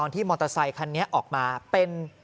มอเตอร์ไซคันนี้ออกมาเป็น